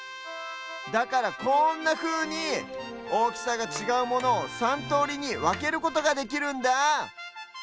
だからこんなふうにおおきさがちがうものを３とおりにわけることができるんだ！